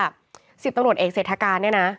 เขาบอกว่า๑๐ตำรวจเอกเศรษฐการเนี่ยนะ